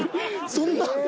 そんな。